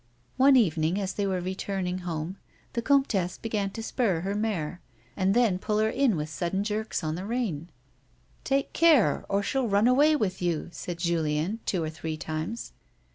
142 A WOMAN'S LIFE. One evening, as they were returning home, the comtesse began to spur her mare, and then pull her in with sxidden jerks on the rein. "Take care, or she'll run away with you," said Julieu two or three times.